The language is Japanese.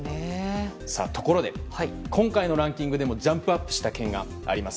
ところで、今回のランキングでもジャンプアップした県があります。